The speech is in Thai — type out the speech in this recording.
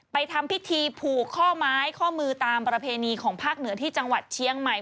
ทำพิธีผูกข้อไม้ข้อมือตามประเพณีของภาคเหนือที่จังหวัดเชียงใหม่